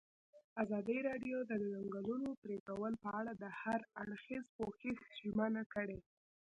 ازادي راډیو د د ځنګلونو پرېکول په اړه د هر اړخیز پوښښ ژمنه کړې.